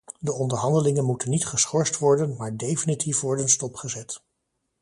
De onderhandelingen moeten niet geschorst worden, maar definitief worden stopgezet.